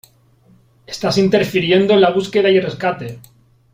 ¡ Estás interfiriendo en la búsqueda y rescate !